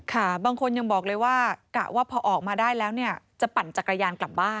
ค่ะบางคนยังบอกเลยว่ากะว่าพอออกมาได้แล้วเนี่ยจะปั่นจักรยานกลับบ้าน